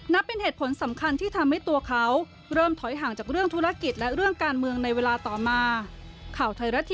เป็นเหตุผลสำคัญที่ทำให้ตัวเขาเริ่มถอยห่างจากเรื่องธุรกิจและเรื่องการเมืองในเวลาต่อมา